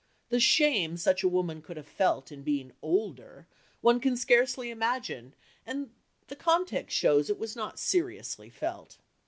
The "shame" such a woman could have felt in being "older" one can scarcely imagine, and the context shows it was not seriously felt.